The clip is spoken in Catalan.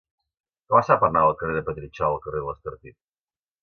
Com es fa per anar del carrer de Petritxol al carrer de l'Estartit?